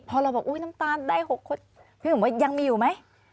พอเราบอกอุ๊ยน้ำตาลได้๖คดพี่หนุ่มว่ายังมีอยู่ไหม